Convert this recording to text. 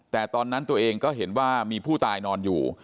แต่ตอนนั้นตัวเองก็เห็นว่ามีผู้ตายนอนอยู่